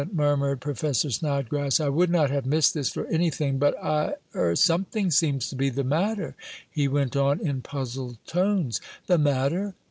murmured Professor Snodgrass. "I would not have missed this for anything. But I er something seems to be the matter," he went on in puzzled tones. "The matter?